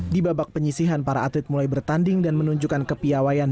di babak penyisihan para atlet mulai bertanding dan menunjukkan kepiawaian